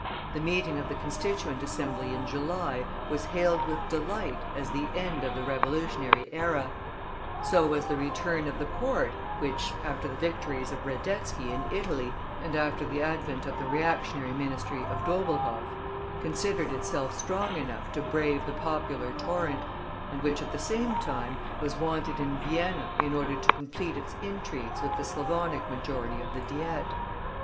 The meeting of the Constituent Assembly in July was hailed with delight as the end of the revolutionary era; so was the return of the Court, which, after the victories of Radetzky in Italy, and after the advent of the reactionary ministry of Doblhoff, considered itself strong enough to brave the popular torrent, and which, at the same time, was wanted in Vienna in order to complete its intrigues with the Slavonic majority of the Diet.